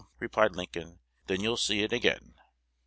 replied Lincoln, 'then you'll see it again!'"